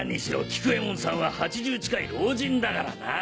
菊右衛門さんは８０近い老人だからな。